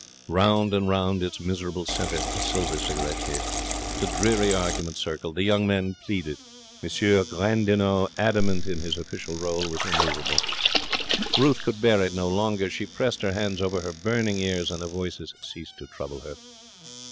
Round and round its miserable centre a silver cigarette case the dreary argument circled. The young man pleaded; M. Gandinot, adamant in his official role, was immovable. Ruth could bear it no longer. She pressed her hands over her burning ears, and the voices ceased to trouble her.